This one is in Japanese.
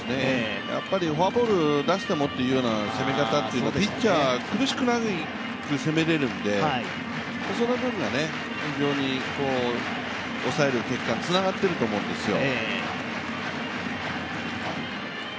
やっぱりフォアボールを出してもっていう攻め方はピッチャー、苦しくなり攻められるんでその分が非常に抑える結果につながっていると思うんですよ。